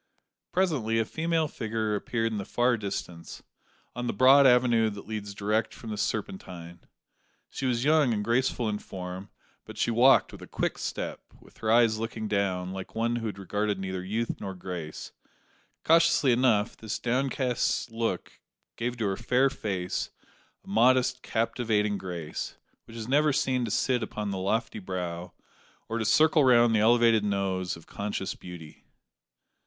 Presently, a female figure appeared in the far distance, on the broad avenue that leads direct from the Serpentine. She was young and graceful in form; but she walked with a quick step, with her eyes looking down, like one who regarded neither youth nor grace. Curiously enough, this downcast look gave to her fair face a modest, captivating grace, which is never seen to sit upon the lofty brow, or to circle round the elevated nose, of conscious beauty.